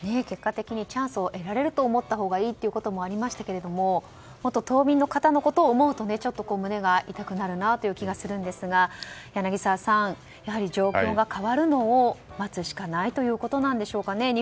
結果的にチャンスを得られると思ったほうがいいということもありましたけども島民の方を思うと胸が痛くなる気がするんですが柳澤さん、やはり状況が変わるのを待つしかないということなんでしょうかね。